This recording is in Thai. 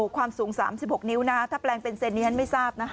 ความสูง๓๖นิ้วถ้าแปลงเป็นเซียนไม่ทราบนะ